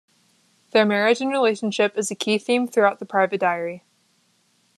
Their marriage and relationship is a key theme throughout the private diary.